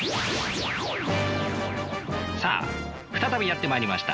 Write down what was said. さあ再びやってまいりました